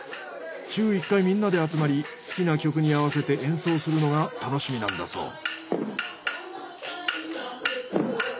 週１回みんなで集まり好きな曲に合わせて演奏するのが楽しみなんだそう。